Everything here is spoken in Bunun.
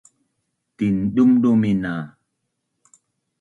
Tindumdumin na